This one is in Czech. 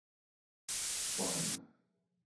Sbohem.